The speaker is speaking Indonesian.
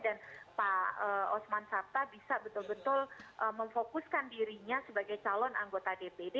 dan pak osman sarta bisa betul betul memfokuskan dirinya sebagai calon anggota dpd